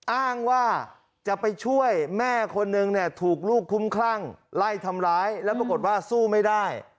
อ้างว่าจะไปช่วยแม่คนนึงเนี่ยถูกลูกคุ้มคลั่งไล่ทำร้ายแล้วปรากฏว่าสู้ไม่ได้